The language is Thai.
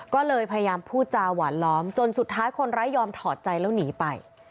ก็เลยพยายามพูดจาหวานล้อมจนสุดท้ายคนร้ายยอมถอดใจแล้วหนีไป